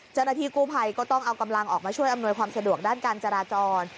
เจ้าหน้าที่กู้ภัยก็ต้องเอากำลังออกมาช่วยอำนวยความสะดวกด้านการจราจร